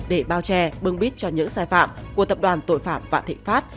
để bao che bưng bít cho những sai phạm của tập đoàn tội phạm vạn thịnh pháp